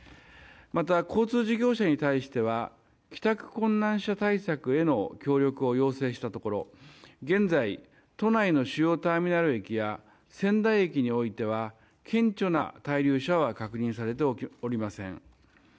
また交通事業者に対しては帰宅困難者対策への協力を要請したところ現在、都内の主要ターミナル駅や仙台駅においては顕著な滞留者は確認されておりません。